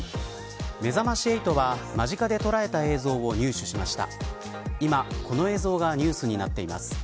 めざまし８は間近で捉えた映像を入手しました